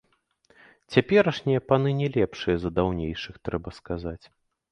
Цяперашнія паны не лепшыя за даўнейшых, трэба сказаць.